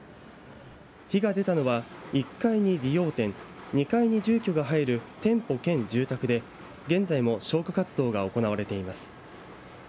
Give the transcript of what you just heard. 火が出たのは１階に理容店、２階に住居が入る店舗兼住宅で現在も消火活動が行われています。